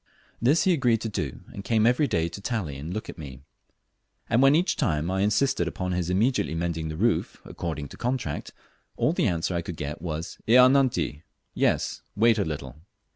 This he agreed to do, and came every day to tally and look at me; and when I each time insisted upon his immediately mending the roof according to contract, all the answer I could get was, "Ea nanti," (Yes, wait a little.)